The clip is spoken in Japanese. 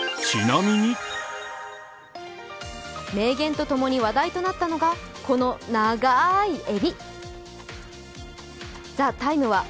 名言と共に話題となったのが、この長い襟。